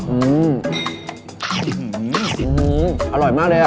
อื้ออื้ออื้ออร่อยมากเลย